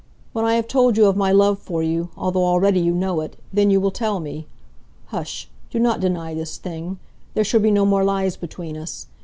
When I have told you of my love for you, although already you know it, then you will tell me. Hush! Do not deny this thing. There shall be no more lies between us.